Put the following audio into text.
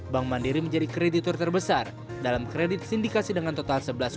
bank mandiri menjadi kreditur terbesar dalam kredit sindikasi dengan total rp sebelas tiga puluh enam triliun tersebut